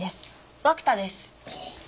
涌田です。